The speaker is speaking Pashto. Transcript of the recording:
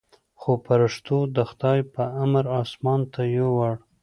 خو پرښتو د خداى په امر اسمان ته يووړ.